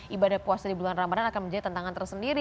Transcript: ibadah puasa di bulan ramadan akan menjadi tantangan tersendiri